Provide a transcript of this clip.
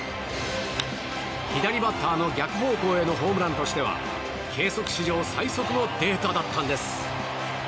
左バッターの逆方向へのホームランとしては計測史上最速のデータだったんです。